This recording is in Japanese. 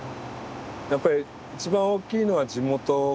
やっぱり一番大きいのは地元かな。